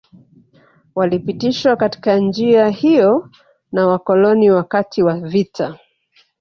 Walipitishwa katika njia hiyo na Wakoloni wakati wa vita